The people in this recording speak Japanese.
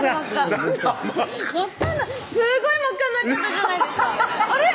すごい真っ赤になっちゃったじゃないですか